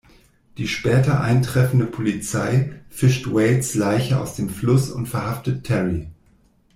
Die später eintreffende Polizei fischt Wades Leiche aus dem Fluss und verhaftet Terry.